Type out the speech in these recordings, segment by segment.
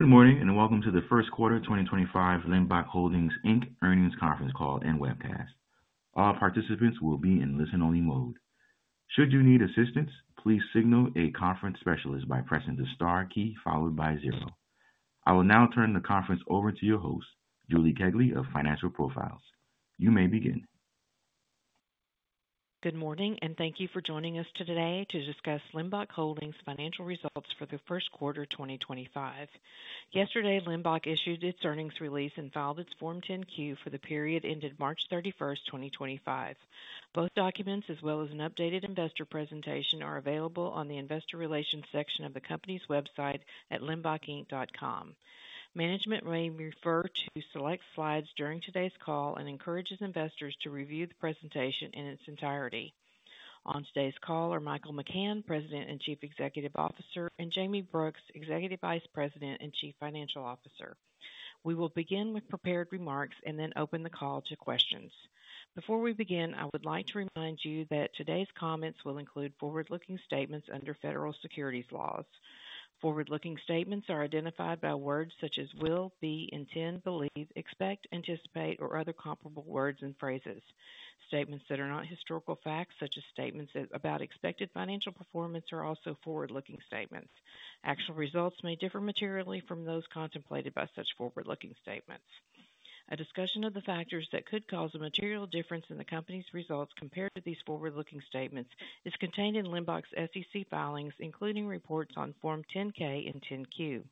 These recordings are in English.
Good morning and welcome to the first quarter 2025 Limbach Holdings Earnings Conference Call and Webcast. All participants will be in listen-only mode. Should you need assistance, please signal a conference specialist by pressing the star key followed by zero. I will now turn the conference over to your host, Julie Kegley of Financial Profiles. You may begin. Good morning and thank you for joining us today to discuss Limbach Holdings' financial results for the first quarter 2025. Yesterday, Limbach issued its earnings release and filed its Form 10-Q for the period ended March 31, 2025. Both documents, as well as an updated investor presentation, are available on the investor relations section of the company's website at limbachinc.com. Management m ay refer to select slides during today's call and encourages investors to review the presentation in its entirety. On today's call are Michael McCann, President and Chief Executive Officer, and Jayme Brooks, Executive Vice President and Chief Financial Officer. We will begin with prepared remarks and then open the call to questions. Before we begin, I would like to remind you that today's comments will include forward-looking statements under federal securities laws. Forward-looking statements are identified by words such as will, be, intend, believe, expect, anticipate, or other comparable words and phrases. Statements that are not historical facts, such as statements about expected financial performance, are also forward-looking statements. Actual results may differ materially from those contemplated by such forward-looking statements. A discussion of the factors that could cause a material difference in the company's results compared to these forward-looking statements is contained in Limbach's SEC filings, including reports on Form 10-K and Form 10-Q.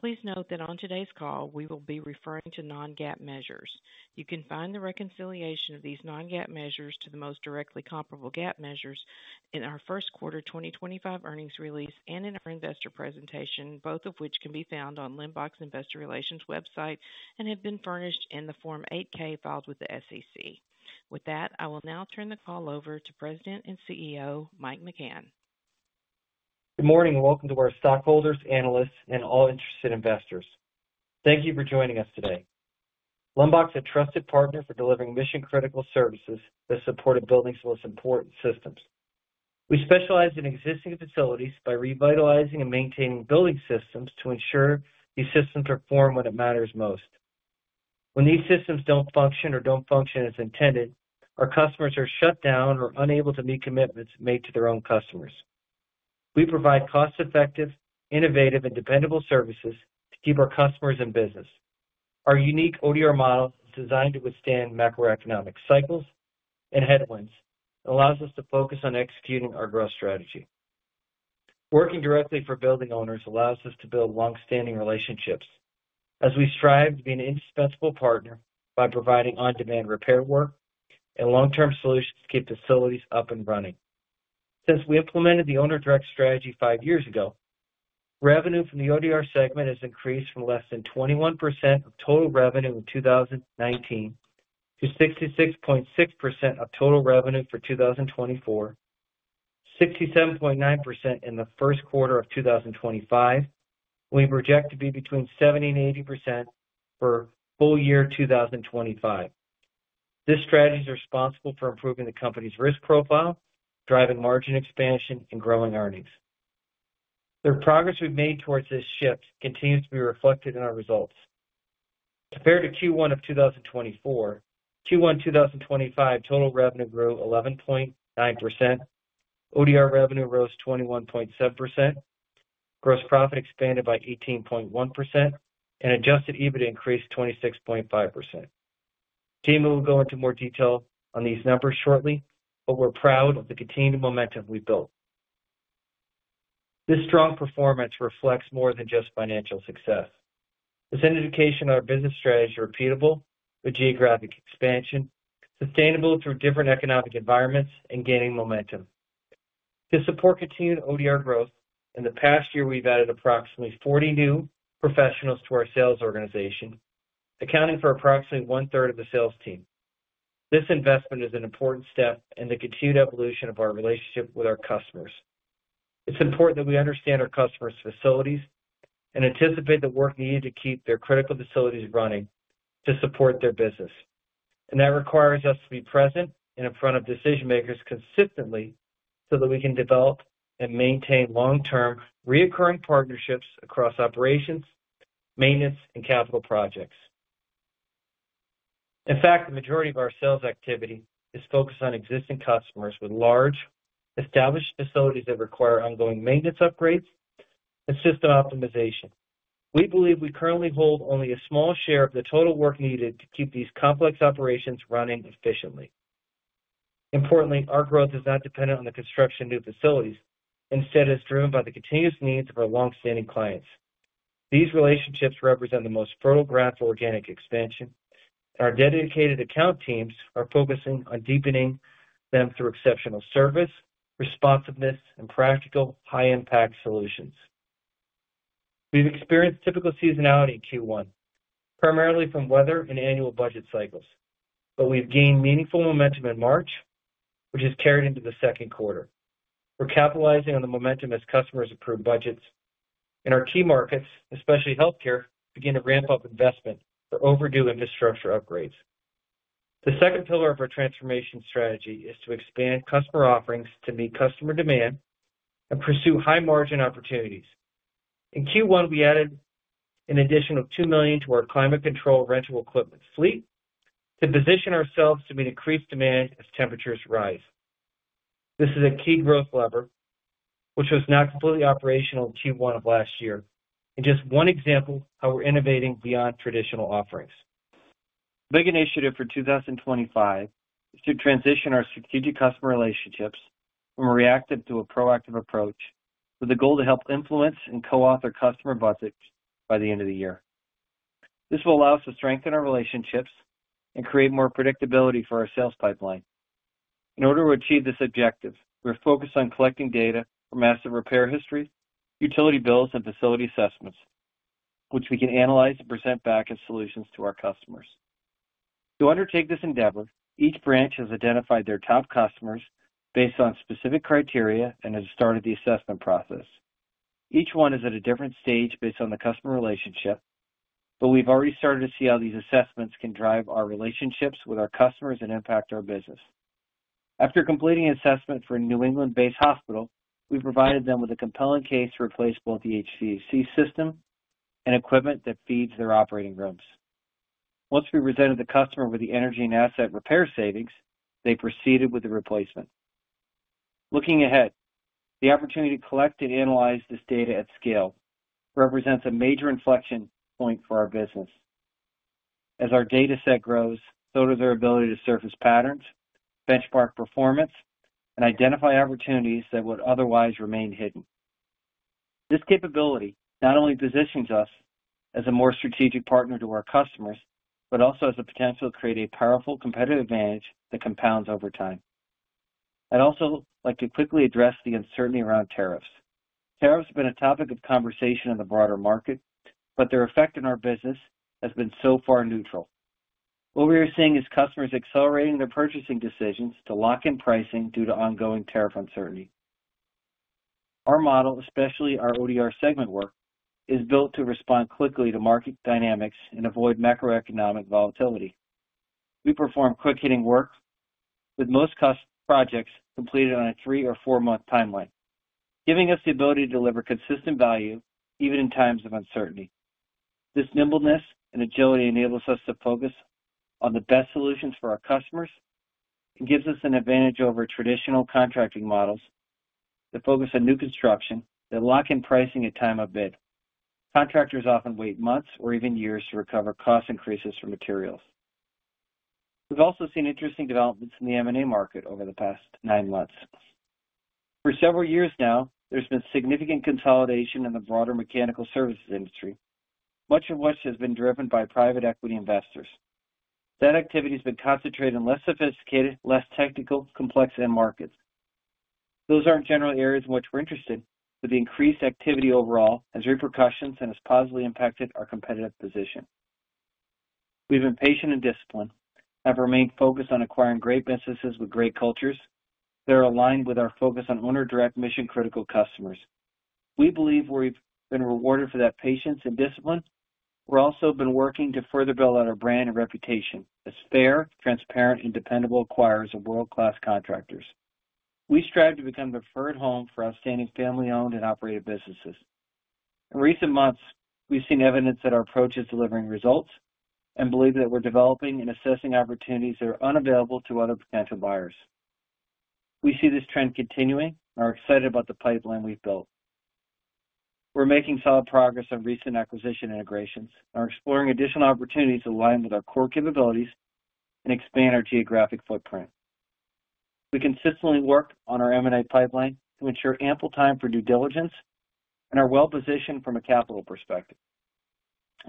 Please note that on today's call, we will be referring to non-GAAP measures. You can find the reconciliation of these non-GAAP measures to the most directly comparable GAAP measures in our First Quarter 2025 earnings release and in our investor presentation, both of which can be found on Limbach's investor relations website and have been furnished in the Form 8-K filed with the SEC. With that, I will now turn the call over to President and CEO Michael McCann. Good morning and welcome to our stockholders, analysts, and all interested investors. Thank you for joining us today. Limbach is a trusted partner for delivering mission-critical services that support a building's most important systems. We specialize in existing facilities by revitalizing and maintaining building systems to ensure these systems perform when it matters most. When these systems do not function or do not function as intended, our customers are shut down or unable to meet commitments made to their own customers. We provide cost-effective, innovative, and dependable services to keep our customers in business. Our unique ODR model is designed to withstand macroeconomic cycles and headwinds and allows us to focus on executing our growth strategy. Working directly for building owners allows us to build long-standing relationships as we strive to be an indispensable partner by providing on-demand repair work and long-term solutions to keep facilities up and running. Since we implemented the owner-direct strategy five years ago, revenue from the ODR segment has increased from less than 21% of total revenue in 2019 to 66.6% of total revenue for 2024, 67.9% in the first quarter of 2025, and we project to be between 70-80% for full year 2025. This strategy is responsible for improving the company's risk profile, driving margin expansion, and growing earnings. The progress we've made towards this shift continues to be reflected in our results. Compared to Q1 of 2024, Q1 2025 total revenue grew 11.9%, ODR revenue rose 21.7%, gross profit expanded by 18.1%, and adjusted EBITDA increased 26.5%. Jayme will go into more detail on these numbers shortly, but we're proud of the continued momentum we've built. This strong performance reflects more than just financial success. This indication of our business strategy is repeatable with geographic expansion, sustainable through different economic environments, and gaining momentum. To support continued ODR growth, in the past year, we've added approximately 40 new professionals to our sales organization, accounting for approximately one-third of the sales team. This investment is an important step in the continued evolution of our relationship with our customers. It's important that we understand our customers' facilities and anticipate the work needed to keep their critical facilities running to support their business. That requires us to be present and in front of decision-makers consistently so that we can develop and maintain long-term reoccurring partnerships across operations, maintenance, and capital projects. In fact, the majority of our sales activity is focused on existing customers with large, established facilities that require ongoing maintenance upgrades and system optimization. We believe we currently hold only a small share of the total work needed to keep these complex operations running efficiently. Importantly, our growth is not dependent on the construction of new facilities. Instead, it is driven by the continuous needs of our longstanding clients. These relationships represent the most fertile ground for organic expansion, and our dedicated account teams are focusing on deepening them through exceptional service, responsiveness, and practical, high-impact solutions. We've experienced typical seasonality in Q1, primarily from weather and annual budget cycles, but we've gained meaningful momentum in March, which has carried into the second quarter. We're capitalizing on the momentum as customers approve budgets, and our key markets, especially healthcare, begin to ramp up investment for overdue infrastructure upgrades. The second pillar of our transformation strategy is to expand customer offerings to meet customer demand and pursue high-margin opportunities. In Q1, we added an additional $2 million to our climate control rental equipment fleet to position ourselves to meet increased demand as temperatures rise. This is a key growth lever, which was not completely operational in Q1 of last year, and just one example of how we're innovating beyond traditional offerings. The big initiative for 2025 is to transition our strategic customer relationships from a reactive to a proactive approach with the goal to help influence and co-author customer budgets by the end of the year. This will allow us to strengthen our relationships and create more predictability for our sales pipeline. In order to achieve this objective, we're focused on collecting data from asset repair histories, utility bills, and facility assessments, which we can analyze and present back as solutions to our customers. To undertake this endeavor, each branch has identified their top customers based on specific criteria and has started the assessment process. Each one is at a different stage based on the customer relationship, but we've already started to see how these assessments can drive our relationships with our customers and impact our business. After completing assessment for a New England-based hospital, we provided them with a compelling case to replace both the HVAC system and equipment that feeds their operating rooms. Once we presented the customer with the energy and asset repair savings, they proceeded with the replacement. Looking ahead, the opportunity to collect and analyze this data at scale represents a major inflection point for our business. As our data set grows, so does our ability to surface patterns, benchmark performance, and identify opportunities that would otherwise remain hidden. This capability not only positions us as a more strategic partner to our customers, but also has the potential to create a powerful competitive advantage that compounds over time. I'd also like to quickly address the uncertainty around tariffs. Tariffs have been a topic of conversation in the broader market, but their effect on our business has been so far neutral. What we are seeing is customers accelerating their purchasing decisions to lock in pricing due to ongoing tariff uncertainty. Our model, especially our ODR segment work, is built to respond quickly to market dynamics and avoid macroeconomic volatility. We perform quick-hitting work with most projects completed on a three or four-month timeline, giving us the ability to deliver consistent value even in times of uncertainty. This nimbleness and agility enables us to focus on the best solutions for our customers and gives us an advantage over traditional contracting models that focus on new construction that lock in pricing at time of bid. Contractors often wait months or even years to recover cost increases for materials. We've also seen interesting developments in the M&A market over the past nine months. For several years now, there's been significant consolidation in the broader mechanical services industry, much of which has been driven by private equity investors. That activity has been concentrated in less sophisticated, less technical, complex end markets. Those aren't general areas in which we're interested, but the increased activity overall has repercussions and has positively impacted our competitive position. We've been patient and disciplined and have remained focused on acquiring great businesses with great cultures that are aligned with our focus on owner-direct mission-critical customers. We believe we've been rewarded for that patience and discipline. We've also been working to further build out our brand and reputation as fair, transparent, and dependable acquirers of world-class contractors. We strive to become the preferred home for outstanding family-owned and operated businesses. In recent months, we've seen evidence that our approach is delivering results and believe that we're developing and assessing opportunities that are unavailable to other potential buyers. We see this trend continuing and are excited about the pipeline we've built. We're making solid progress on recent acquisition integrations and are exploring additional opportunities to align with our core capabilities and expand our geographic footprint. We consistently work on our M&A pipeline to ensure ample time for due diligence and are well-positioned from a capital perspective.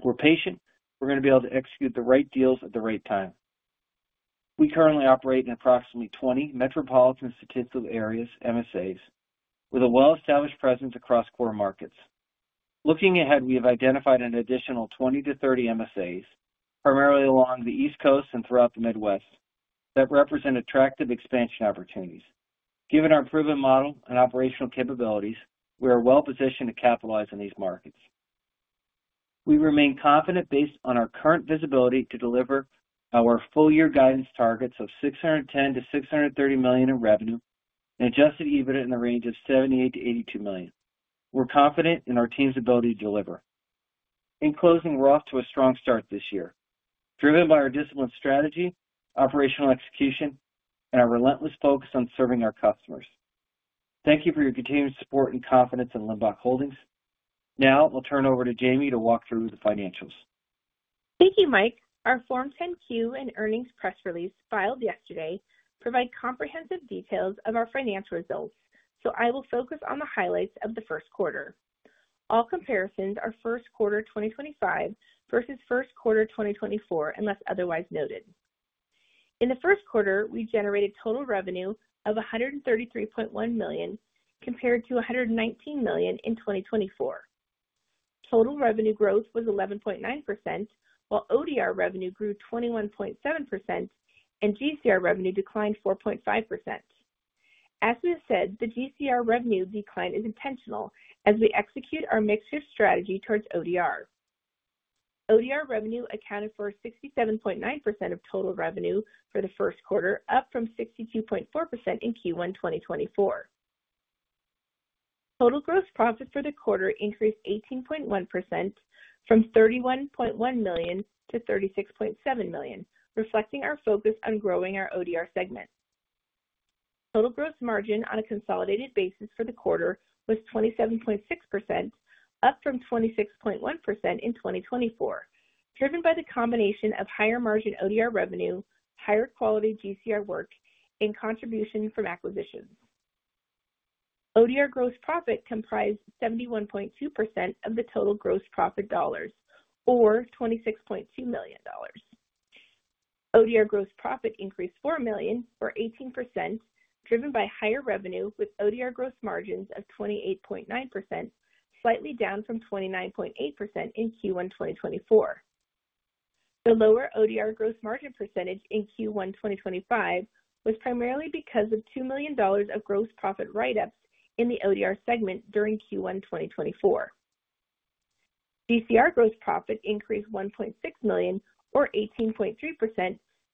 We're patient. We're going to be able to execute the right deals at the right time. We currently operate in approximately 20 metropolitan statistical areas, MSAs, with a well-established presence across core markets. Looking ahead, we have identified an additional 20-30 MSAs, primarily along the East Coast and throughout the Midwest, that represent attractive expansion opportunities. Given our proven model and operational capabilities, we are well-positioned to capitalize on these markets. We remain confident based on our current visibility to deliver our full-year guidance targets of $610-$630 million in revenue and adjusted EBITDA in the range of $78-$82 million. We're confident in our team's ability to deliver. In closing, we're off to a strong start this year, driven by our disciplined strategy, operational execution, and our relentless focus on serving our customers. Thank you for your continued support and confidence in Limbach Holdings. Now, I'll turn it over to Jayme to walk through the financials. Thank you, Mike. Our Form 10-Q and earnings press release filed yesterday provide comprehensive details of our financial results, so I will focus on the highlights of the first quarter. All comparisons are first quarter 2025 versus first quarter 2024, unless otherwise noted. In the first quarter, we generated total revenue of $133.1 million compared to $119 million in 2024. Total revenue growth was 11.9%, while ODR revenue grew 21.7% and GCR revenue declined 4.5%. As we have said, the GCR revenue decline is intentional as we execute our mixture strategy towards ODR. ODR revenue accounted for 67.9% of total revenue for the first quarter, up from 62.4% in Q1 2024. Total gross profit for the quarter increased 18.1% from $31.1 million to $36.7 million, reflecting our focus on growing our ODR segment. Total gross margin on a consolidated basis for the quarter was 27.6%, up from 26.1% in 2024, driven by the combination of higher margin ODR revenue, higher quality GCR work, and contribution from acquisitions. ODR gross profit comprised 71.2% of the total gross profit dollars, or $26.2 million. ODR gross profit increased $4 million or 18%, driven by higher revenue with ODR gross margins of 28.9%, slightly down from 29.8% in Q1 2024. The lower ODR gross margin percentage in Q1 2025 was primarily because of $2 million of gross profit write-ups in the ODR segment during Q1 2024. GCR gross profit increased $1.6 million, or 18.3%,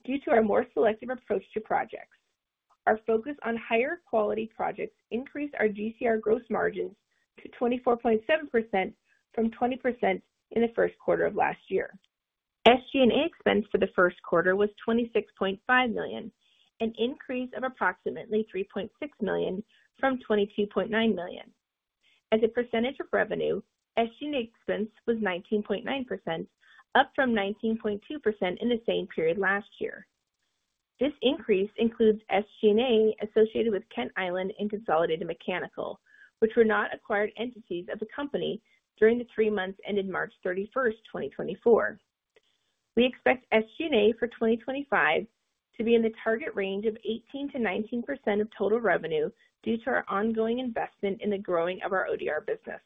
due to our more selective approach to projects. Our focus on higher quality projects increased our GCR gross margins to 24.7% from 20% in the first quarter of last year. SG&A expense for the first quarter was $26.5 million, an increase of approximately $3.6 million from $22.9 million. As a percentage of revenue, SG&A expense was 19.9%, up from 19.2% in the same period last year. This increase includes SG&A associated with Kent Island and Consolidated Mechanical, which were not acquired entities of the company during the three months ended March 31, 2024. We expect SG&A for 2025 to be in the target range of 18%-19% of total revenue due to our ongoing investment in the growing of our ODR business.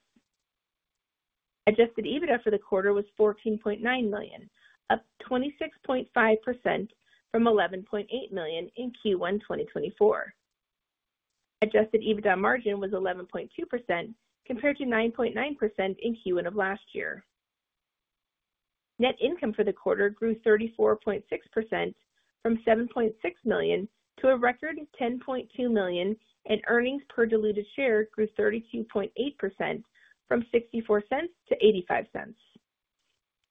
Adjusted EBITDA for the quarter was $14.9 million, up 26.5% from $11.8 million in Q1 2024. Adjusted EBITDA margin was 11.2% compared to 9.9% in Q1 of last year. Net income for the quarter grew 34.6% from $7.6 million to a record of $10.2 million, and earnings per diluted share grew 32.8% from $0.64 to $0.85.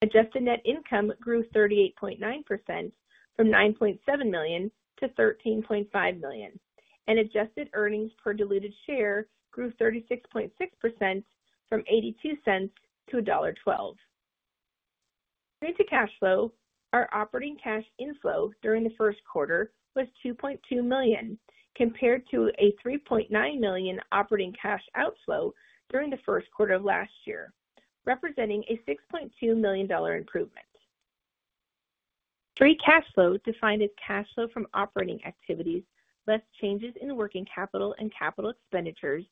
Adjusted net income grew 38.9% from $9.7 million to $13.5 million, and adjusted earnings per diluted share grew 36.6% from $0.82-$1.12. Due to cash flow, our operating cash inflow during the first quarter was $2.2 million compared to a $3.9 million operating cash outflow during the first quarter of last year, representing a $6.2 million improvement. Free cash flow, defined as cash flow from operating activities, less changes in working capital and capital expenditures,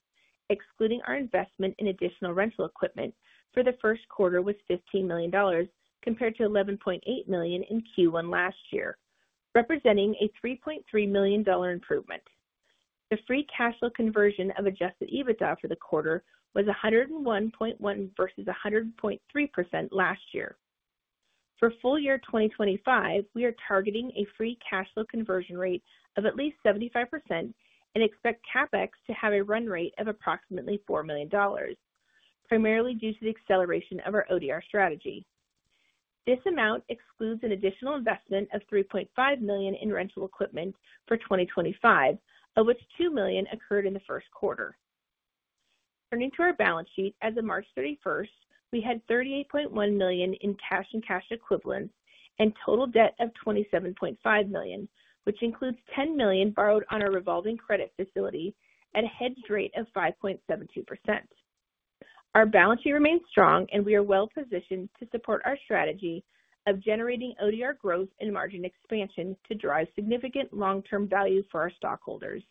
excluding our investment in additional rental equipment for the first quarter, was $15 million compared to $11.8 million in Q1 last year, representing a $3.3 million improvement. The free cash flow conversion of adjusted EBITDA for the quarter was 101.1% versus 100.3% last year. For full year 2025, we are targeting a free cash flow conversion rate of at least 75% and expect CapEx to have a run rate of approximately $4 million, primarily due to the acceleration of our ODR strategy. This amount excludes an additional investment of $3.5 million in rental equipment for 2025, of which $2 million occurred in the first quarter. Turning to our balance sheet, as of March 31, we had $38.1 million in cash and cash equivalents and total debt of $27.5 million, which includes $10 million borrowed on our revolving credit facility at a hedged rate of 5.72%. Our balance sheet remains strong, and we are well-positioned to support our strategy of generating ODR growth and margin expansion to drive significant long-term value for our stockholders.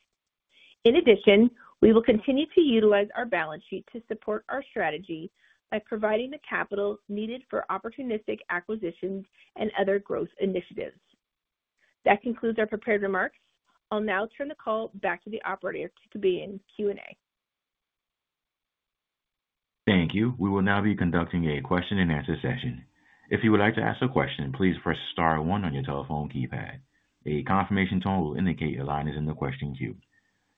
In addition, we will continue to utilize our balance sheet to support our strategy by providing the capital needed for opportunistic acquisitions and other growth initiatives. That concludes our prepared remarks. I'll now turn the call back to the operator to begin Q&A. Thank you. We will now be conducting a question-and-answer session. If you would like to ask a question, please press star one on your telephone keypad. A confirmation tone will indicate your line is in the question queue.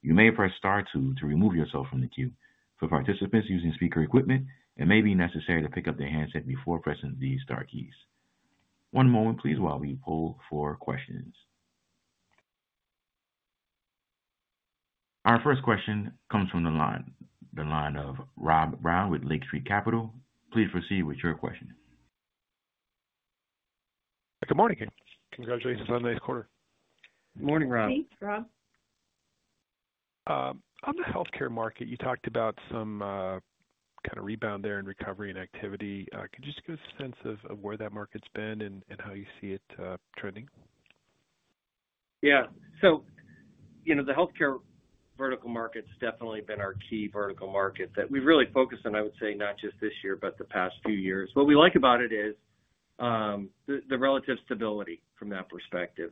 You may press star two to remove yourself from the queue. For participants using speaker equipment, it may be necessary to pick up their handset before pressing the star keys. One moment, please, while we pull for questions. Our first question comes from the line of Rob Brown with Lake Street Capital. Please proceed with your question. Good morning, Ken. Congratulations on the quarter. Good morning, Rob. Thanks, Rob. On the healthcare market, you talked about some kind of rebound there in recovery and activity. Could you just give us a sense of where that market's been and how you see it trending? Yeah. The healthcare vertical market's definitely been our key vertical market that we've really focused on, I would say, not just this year, but the past few years. What we like about it is the relative stability from that perspective.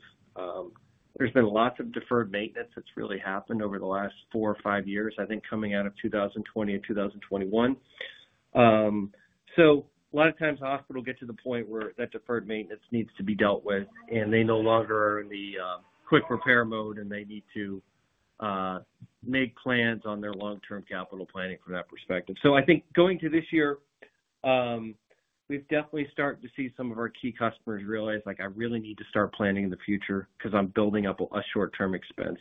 There's been lots of deferred maintenance that's really happened over the last four or five years, I think coming out of 2020 and 2021. A lot of times, hospitals get to the point where that deferred maintenance needs to be dealt with, and they no longer are in the quick repair mode, and they need to make plans on their long-term capital planning from that perspective. I think going to this year, we've definitely started to see some of our key customers realize, "I really need to start planning in the future because I'm building up a short-term expense."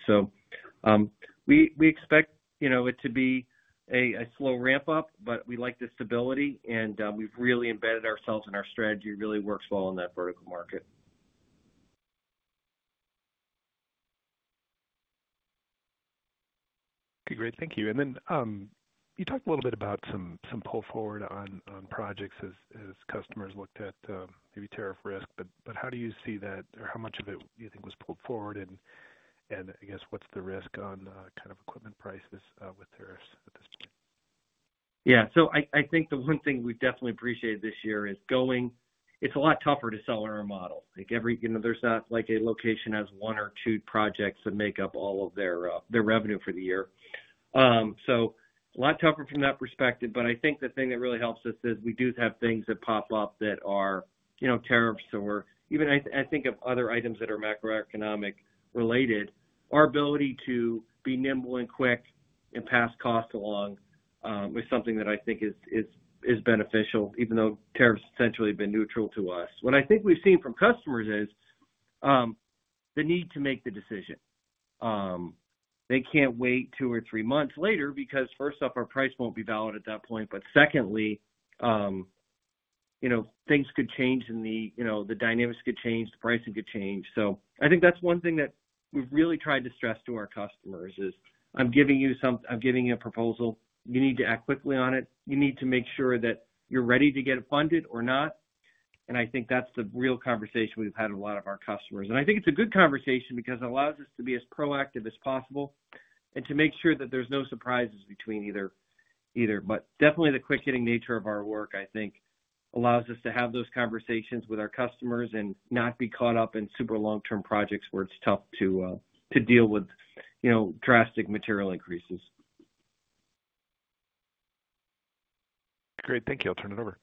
We expect it to be a slow ramp-up, but we like the stability, and we've really embedded ourselves in our strategy. It really works well in that vertical market. Okay, great. Thank you. You talked a little bit about some pull forward on projects as customers looked at maybe tariff risk, but how do you see that, or how much of it do you think was pulled forward, and I guess what's the risk on kind of equipment prices with tariffs at this point? Yeah. I think the one thing we've definitely appreciated this year is going—it's a lot tougher to sell our model. There's not like a location has one or two projects that make up all of their revenue for the year. A lot tougher from that perspective, but I think the thing that really helps us is we do have things that pop up that are tariffs or even I think of other items that are macroeconomic related. Our ability to be nimble and quick and pass costs along is something that I think is beneficial, even though tariffs essentially have been neutral to us. What I think we've seen from customers is the need to make the decision. They can't wait two or three months later because, first off, our price won't be valid at that point, but secondly, things could change and the dynamics could change, the pricing could change. I think that's one thing that we've really tried to stress to our customers is, "I'm giving you a proposal. You need to act quickly on it. You need to make sure that you're ready to get it funded or not." I think that's the real conversation we've had with a lot of our customers. I think it's a good conversation because it allows us to be as proactive as possible and to make sure that there's no surprises between either. Definitely, the quick-hitting nature of our work, I think, allows us to have those conversations with our customers and not be caught up in super long-term projects where it's tough to deal with drastic material increases. Great. Thank you. I'll turn it over.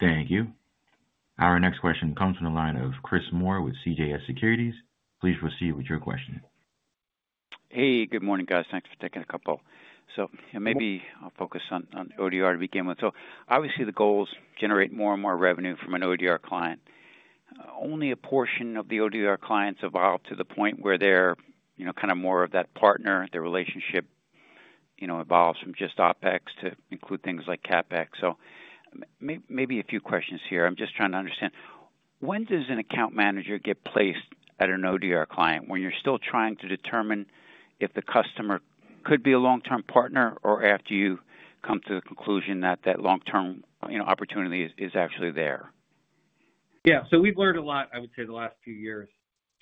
Thank you. Our next question comes from the line of Chris Moore with CJS Securities. Please proceed with your question. Hey, good morning, guys. Thanks for taking a couple. Maybe I'll focus on ODR to begin with. Obviously, the goal is to generate more and more revenue from an ODR client. Only a portion of the ODR clients evolve to the point where they're kind of more of that partner. Their relationship evolves from just OpEx to include things like CapEx. Maybe a few questions here. I'm just trying to understand, when does an account manager get placed at an ODR client when you're still trying to determine if the customer could be a long-term partner or after you come to the conclusion that that long-term opportunity is actually there? Yeah. So we've learned a lot, I would say, the last few years.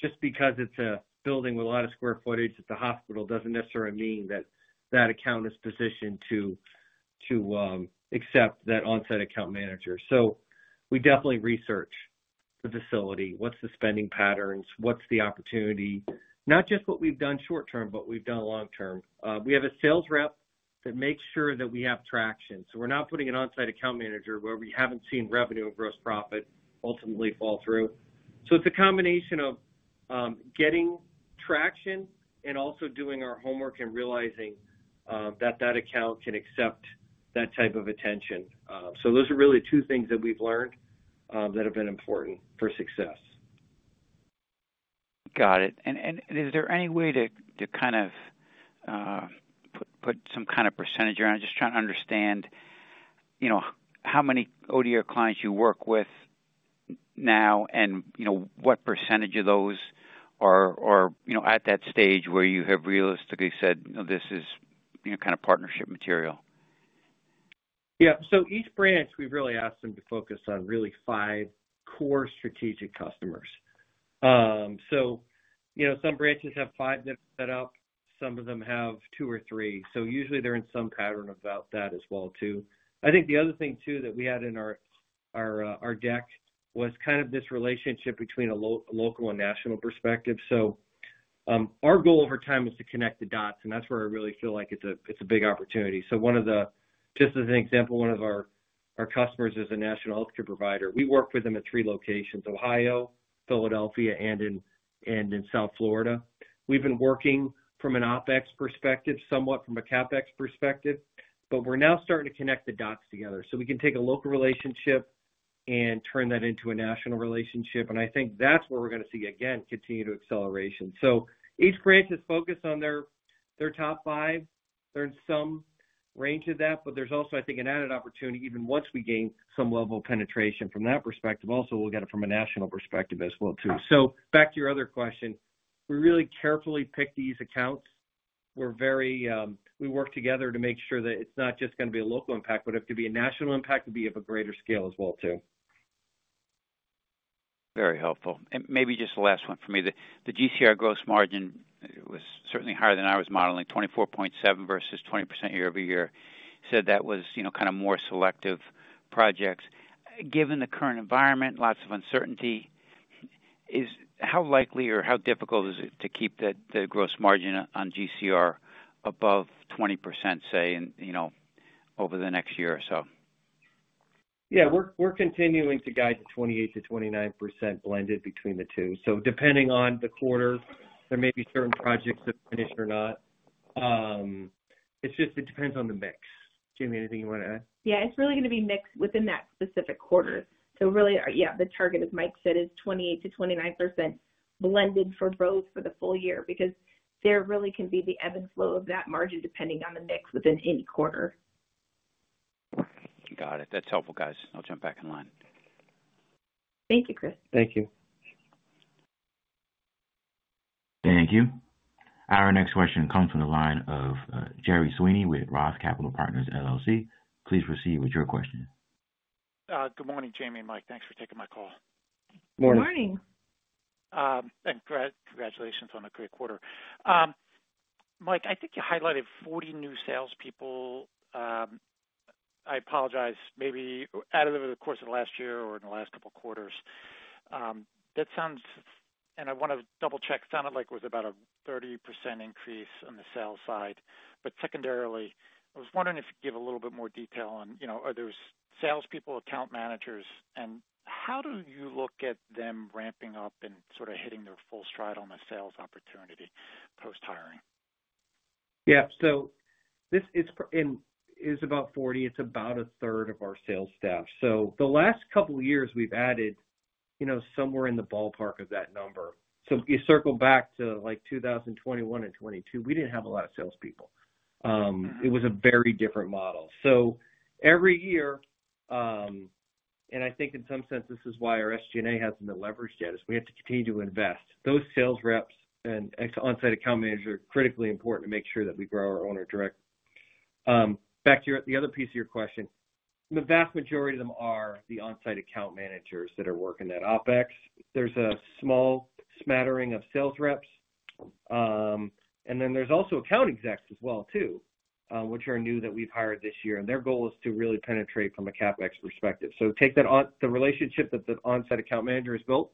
Just because it's a building with a lot of square footage at the hospital doesn't necessarily mean that that account is positioned to accept that onsite account manager. We definitely research the facility. What's the spending patterns? What's the opportunity? Not just what we've done short-term, but what we've done long-term. We have a sales rep that makes sure that we have traction. We're not putting an onsite account manager where we haven't seen revenue or gross profit ultimately fall through. It's a combination of getting traction and also doing our homework and realizing that that account can accept that type of attention. Those are really two things that we've learned that have been important for success. Got it. Is there any way to kind of put some kind of percentage around? Just trying to understand how many ODR clients you work with now and what % of those are at that stage where you have realistically said, "This is kind of partnership material. Yeah. So each branch, we've really asked them to focus on really five core strategic customers. Some branches have five that are set up. Some of them have two or three. Usually, they're in some pattern of that as well too. I think the other thing too that we had in our deck was kind of this relationship between a local and national perspective. Our goal over time was to connect the dots, and that's where I really feel like it's a big opportunity. Just as an example, one of our customers is a national healthcare provider. We work with them at three locations: Ohio, Philadelphia, and in South Florida. We've been working from an OpEx perspective, somewhat from a CapEx perspective, but we're now starting to connect the dots together. We can take a local relationship and turn that into a national relationship. I think that's where we're going to see, again, continue to acceleration. Each branch is focused on their top five. There's some range of that, but there's also, I think, an added opportunity even once we gain some level of penetration from that perspective. Also, we'll get it from a national perspective as well too. Back to your other question, we really carefully pick these accounts. We work together to make sure that it's not just going to be a local impact, but if it could be a national impact, it'd be of a greater scale as well too. Very helpful. Maybe just the last one for me. The GCR gross margin was certainly higher than I was modeling, 24.7% versus 20% year-over-year. You said that was kind of more selective projects. Given the current environment, lots of uncertainty, how likely or how difficult is it to keep the gross margin on GCR above 20%, say, over the next year or so? Yeah. We're continuing to guide to 28%-29% blended between the two. So depending on the quarter, there may be certain projects that finish or not. It's just it depends on the mix. Jayme, anything you want to add? Yeah. It's really going to be mixed within that specific quarter. So really, yeah, the target, as Mike said, is 28%-29% blended for both for the full year because there really can be the ebb and flow of that margin depending on the mix within any quarter. Got it. That's helpful, guys. I'll jump back in line. Thank you, Chris. Thank you. Thank you. Our next question comes from the line of Gerry Sweeney with Roth Capital Partners LLC. Please proceed with your question. Good morning, Jayme and Mike. Thanks for taking my call. Morning. Morning. Congratulations on a great quarter. Mike, I think you highlighted 40 new salespeople. I apologize, maybe out of the course of the last year or in the last couple of quarters. I want to double-check. It sounded like it was about a 30% increase on the sales side. Secondarily, I was wondering if you could give a little bit more detail on are those salespeople account managers, and how do you look at them ramping up and sort of hitting their full stride on the sales opportunity post-hiring? Yeah. This is about 40. It's about a third of our sales staff. The last couple of years, we've added somewhere in the ballpark of that number. If you circle back to 2021 and 2022, we didn't have a lot of salespeople. It was a very different model. Every year, and I think in some sense, this is why our SG&A hasn't been leveraged yet, we have to continue to invest. Those sales reps and onsite account managers are critically important to make sure that we grow our owner-direct. Back to the other piece of your question, the vast majority of them are the onsite account managers that are working at OpEx. There's a small smattering of sales reps. There are also account execs as well too, which are new that we've hired this year. Their goal is to really penetrate from a CapEx perspective. Take the relationship that the onsite account manager has built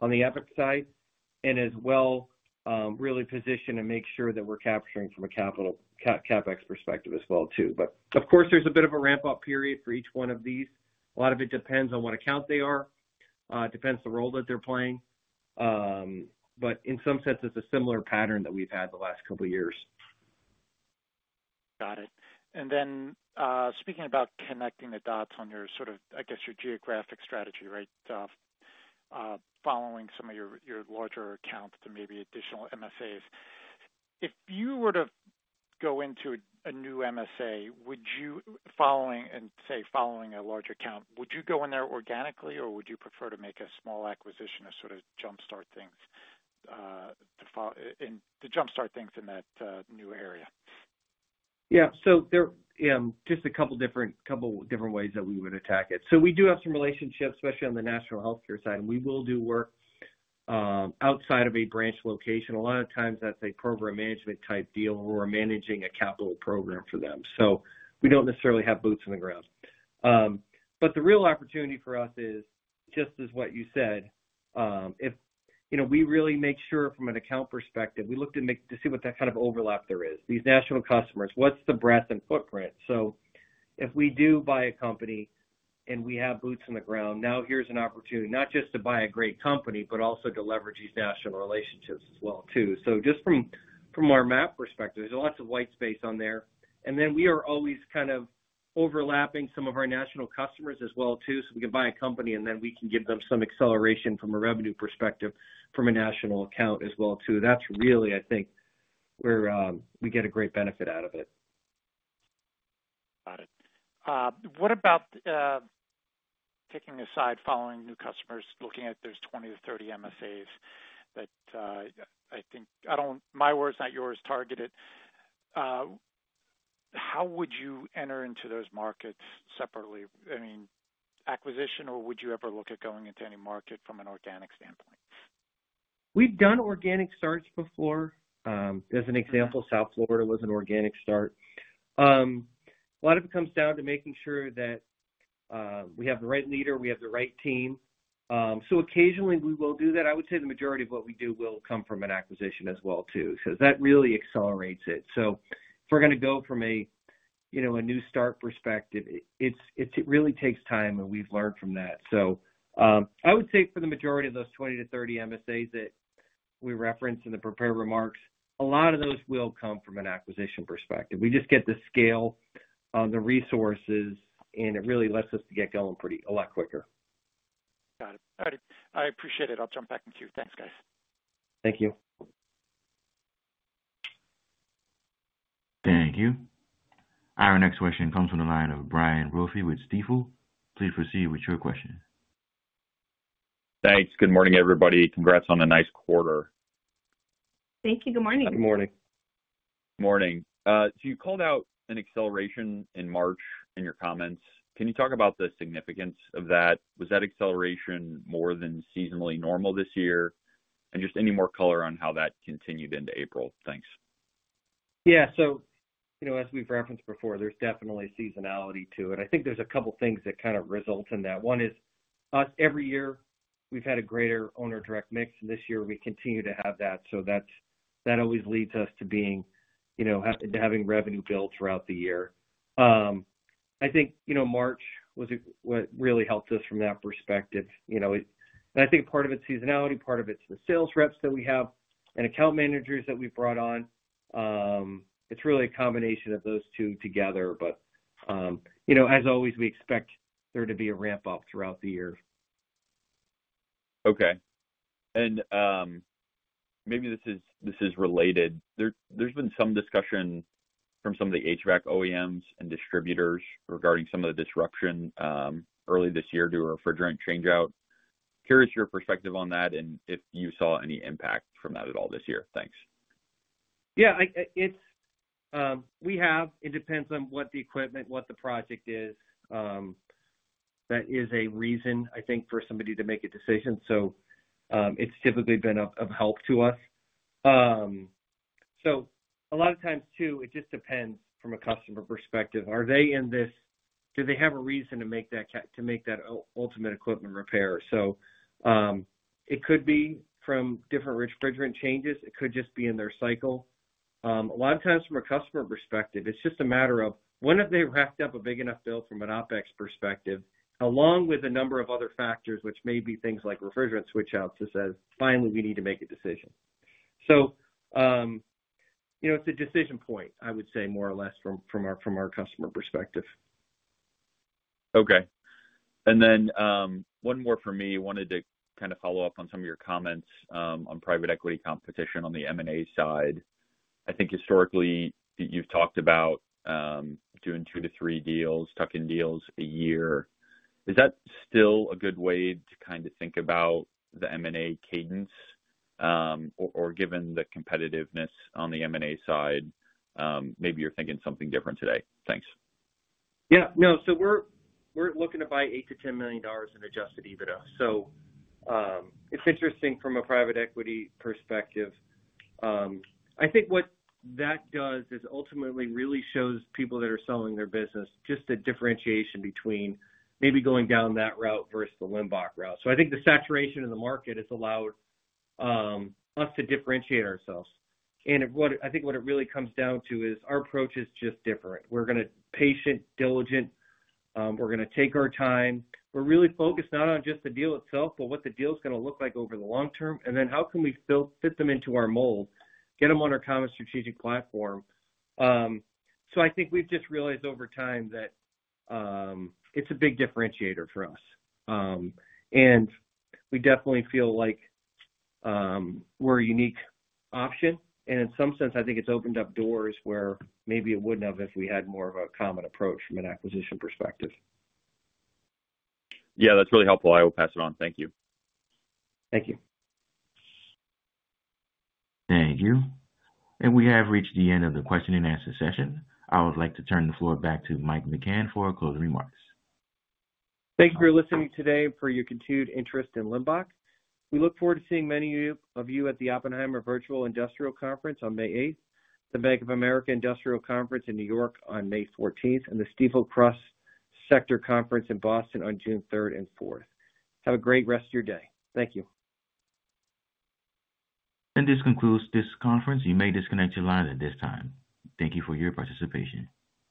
on the Epic side and as well really position and make sure that we're capturing from a CapEx perspective as well too. Of course, there's a bit of a ramp-up period for each one of these. A lot of it depends on what account they are. It depends on the role that they're playing. In some sense, it's a similar pattern that we've had the last couple of years. Got it. And then speaking about connecting the dots on your sort of, I guess, your geographic strategy, right, following some of your larger accounts to maybe additional MSAs. If you were to go into a new MSA, and say, following a large account, would you go in there organically, or would you prefer to make a small acquisition to sort of jump-start things in that new area? Yeah. There are just a couple of different ways that we would attack it. We do have some relationships, especially on the national healthcare side. We will do work outside of a branch location. A lot of times, that's a program management type deal where we're managing a capital program for them. We don't necessarily have boots on the ground. The real opportunity for us is, just as what you said, if we really make sure from an account perspective, we look to see what that kind of overlap there is. These national customers, what's the breadth and footprint? If we do buy a company and we have boots on the ground, now here's an opportunity not just to buy a great company, but also to leverage these national relationships as well too. Just from our map perspective, there's lots of white space on there. We are always kind of overlapping some of our national customers as well too. We can buy a company, and then we can give them some acceleration from a revenue perspective from a national account as well too. That's really, I think, where we get a great benefit out of it. Got it. What about taking a side following new customers, looking at there's 20 or 30 MSAs that I think—my words, not yours—targeted? How would you enter into those markets separately? I mean, acquisition, or would you ever look at going into any market from an organic standpoint? We've done organic starts before. As an example, South Florida was an organic start. A lot of it comes down to making sure that we have the right leader. We have the right team. Occasionally, we will do that. I would say the majority of what we do will come from an acquisition as well. That really accelerates it. If we're going to go from a new start perspective, it really takes time, and we've learned from that. I would say for the majority of those 20-30 MSAs that we referenced in the prepared remarks, a lot of those will come from an acquisition perspective. We just get the scale and the resources, and it really lets us get going a lot quicker. Got it. All right. I appreciate it. I'll jump back in too. Thanks, guys. Thank you. Thank you. Our next question comes from the line of Brian Brophy with Stifel. Please proceed with your question. Thanks. Good morning, everybody. Congrats on a nice quarter. Thank you. Good morning. Good morning. Good morning. You called out an acceleration in March in your comments. Can you talk about the significance of that? Was that acceleration more than seasonally normal this year? Just any more color on how that continued into April? Thanks. Yeah. As we've referenced before, there's definitely seasonality to it. I think there's a couple of things that kind of result in that. One is us, every year, we've had a greater owner-direct mix. This year, we continue to have that. That always leads us to having revenue built throughout the year. I think March was what really helped us from that perspective. I think part of it's seasonality. Part of it's the sales reps that we have and account managers that we've brought on. It's really a combination of those two together. As always, we expect there to be a ramp-up throughout the year. Okay. Maybe this is related. There's been some discussion from some of the HVAC OEMs and distributors regarding some of the disruption early this year due to a refrigerant changeout. Curious your perspective on that and if you saw any impact from that at all this year. Thanks. Yeah. We have. It depends on what the equipment, what the project is. That is a reason, I think, for somebody to make a decision. It has typically been of help to us. A lot of times too, it just depends from a customer perspective. Are they in this? Do they have a reason to make that ultimate equipment repair? It could be from different refrigerant changes. It could just be in their cycle. A lot of times from a customer perspective, it is just a matter of when have they racked up a big enough bill from an OpEx perspective, along with a number of other factors, which may be things like refrigerant switch-outs that says, "Finally, we need to make a decision." It is a decision point, I would say, more or less from our customer perspective. Okay. And then one more for me. I wanted to kind of follow up on some of your comments on private equity competition on the M&A side. I think historically, you've talked about doing two to three deals, tucking deals a year. Is that still a good way to kind of think about the M&A cadence? Or given the competitiveness on the M&A side, maybe you're thinking something different today. Thanks. Yeah. No. So we're looking to buy $8 million-$10 million in adjusted EBITDA. It's interesting from a private equity perspective. I think what that does is ultimately really shows people that are selling their business just a differentiation between maybe going down that route versus the Limbach route. I think the saturation in the market has allowed us to differentiate ourselves. I think what it really comes down to is our approach is just different. We're going to be patient, diligent. We're going to take our time. We're really focused not on just the deal itself, but what the deal is going to look like over the long term, and then how can we fit them into our mold, get them on our common strategic platform. I think we've just realized over time that it's a big differentiator for us. We definitely feel like we're a unique option. In some sense, I think it's opened up doors where maybe it wouldn't have if we had more of a common approach from an acquisition perspective. Yeah. That's really helpful. I will pass it on. Thank you. Thank you. Thank you. We have reached the end of the Q&A session. I would like to turn the floor back to Michael McCann for closing remarks. Thank you for listening today and for your continued interest in Limbach. We look forward to seeing many of you at the Oppenheimer Virtual Industrial Conference on May 8th, the Bank of America Industrial Conference in New York on May 14th, and the Stifel Cross Sector Conference in Boston on June 3rd and 4th. Have a great rest of your day. Thank you. This concludes this conference. You may disconnect your line at this time. Thank you for your participation.